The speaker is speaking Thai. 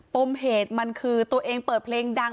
ปมเหตุมันคือตัวเองเปิดเพลงดัง